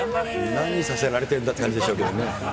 何させられてんだって感じでしょうね。